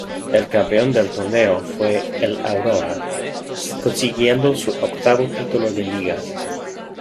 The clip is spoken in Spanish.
El campeón del torneo fue el Aurora, consiguiendo su octavo título de liga.